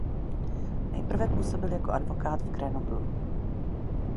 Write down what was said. Nejprve působil jako advokát v Grenoblu.